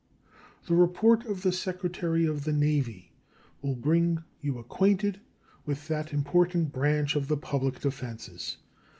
The report of the Secretary of the Navy will bring you acquainted with that important branch of the public defenses.